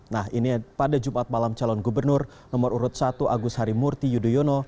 nah ini pada jumat malam calon gubernur nomor urut satu agus harimurti yudhoyono